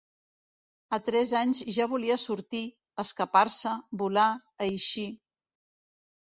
A tres anys ja volia sortir, escapar-se, volar, eixir